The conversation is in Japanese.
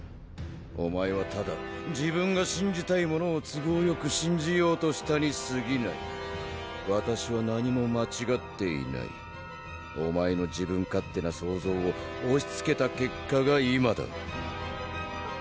お前はただ自分がしんじたいものを都合よくしんじようとしたにすぎないわたしは何も間ちがっていないお前の自分勝手な想像をおしつけた結果が今だ